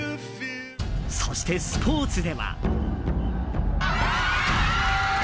そして、スポーツでは。